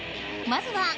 まずは。